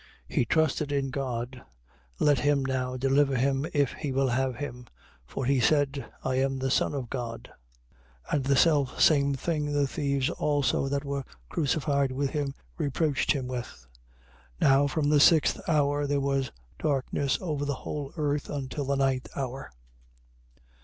27:43. He trusted in God: let him now deliver him if he will have him. For he said: I am the Son of God. 27:44. And the selfsame thing the thieves also that were crucified with him reproached him with. 27:45. Now from the sixth hour, there was darkness over the whole earth, until the ninth hour.